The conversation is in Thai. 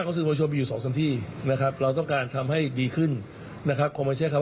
เพื่อจะชี้แจงว่าไม่ได้ไปรื้อไม่ได้ไปจัดระเบียบ